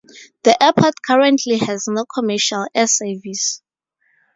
The airport currently has no commercial air service.